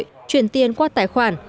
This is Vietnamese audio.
truyền tiền qua tài khoản